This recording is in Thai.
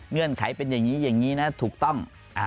เงื่อนไขเป็นอย่างนี้อย่างนี้นะถูกต้อง